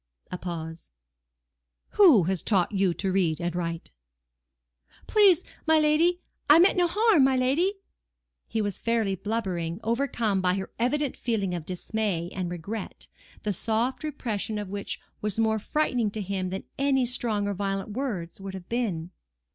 A pause. "Who has taught you to read and write?" "Please, my lady, I meant no harm, my lady." He was fairly blubbering, overcome by her evident feeling of dismay and regret, the soft repression of which was more frightening to him than any strong or violent words would have been.